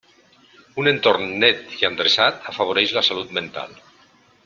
Un entorn net i endreçat afavoreix la salut mental.